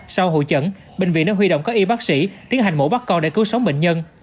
sau hội chẩn bệnh viện đã huy động các y bác sĩ tiến hành mổ bắt con để cứu sống bệnh nhân